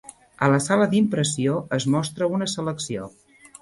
A la sala d'impressió es mostra una selecció.